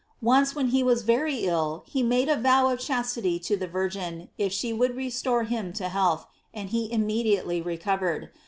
Once when he was very ill, he made a vow of chastity to the Virgin, if she would restore him to health: and he immediately recovered.